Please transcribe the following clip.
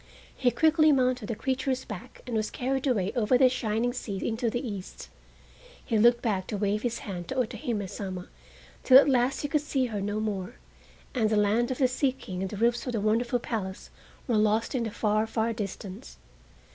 He quickly mounted the creature's back and was carried away over the shining sea into the East. He looked back to wave his hand to Otohime Sama till at last he could see her no more, and the land of the Sea King and the roofs of the wonderful palace were lost in the far, far distance.